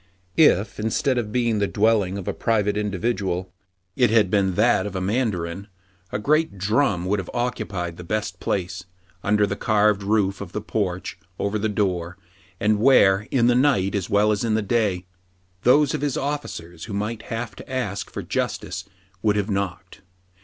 If, instead of being the dwelling of a private individual, it had been that of a mandarin, a great drum would have occupied the best place, under the carved roof of the porch over the door, and where, in the night as well as in the day, those of his officers who might have to ask for justice would have knocked.